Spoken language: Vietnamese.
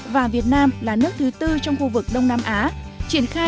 và việt nam là nước thứ tư trong khu vực đông nam á